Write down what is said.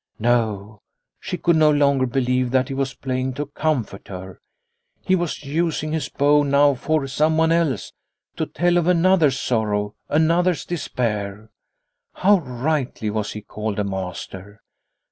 No : she could no longer believe that he was playing to comfort her. He was using his bow now for someone else, to tell of another's sorrow, another's despair. How rightly was he called a master